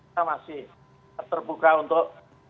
yang masih terbuka untuk